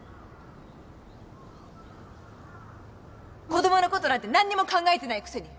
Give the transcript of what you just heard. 子供のことなんて何にも考えてないくせに